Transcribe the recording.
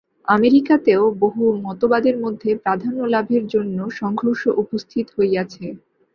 আমেরিকাতেও বহু মতবাদের মধ্যে প্রাধান্যলাভের জন্য সংঘর্ষ উপস্থিত হইয়াছে।